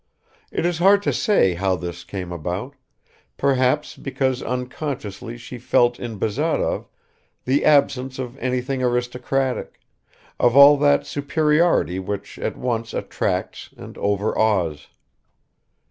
It is hard to say how this came about; perhaps because unconsciously she felt in Bazarov the absence of anything aristocratic, of all that superiority which at once attracts and overawes.